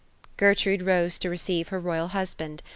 Oertrude rose to receive her royal husband.